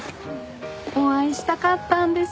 お会いしたかったんです。